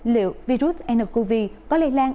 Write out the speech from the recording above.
liệu virus mqv có lây lan